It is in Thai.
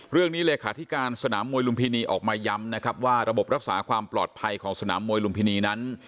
เลขาธิการสนามมวยลุมพินีออกมาย้ำนะครับว่าระบบรักษาความปลอดภัยของสนามมวยลุมพินีนั้น